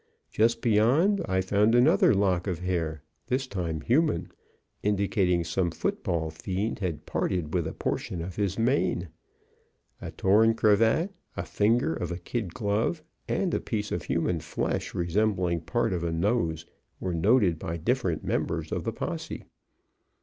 Just beyond, I found another lock of hair, this time human, indicating some football fiend had parted with a portion of his mane. A torn cravat, a finger of a kid glove, and a piece of human flesh resembling part of a nose, were noted by different members of the posse.